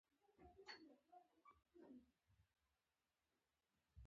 که ګاونډي ته درناوی نه کوې، خپل ایمان وګوره